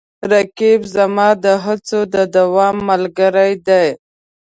رقیب زما د هڅو د دوام ملګری دی